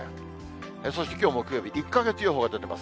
そしてきょう木曜日、１か月予報が出ています。